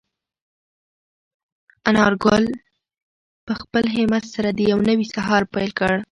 انارګل په خپل همت سره د یو نوي سهار پیل وکړ.